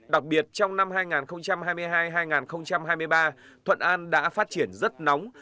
đặc biệt trong năm hai nghìn hai mươi hai hai nghìn hai mươi ba thuận an đã phát triển rất nóng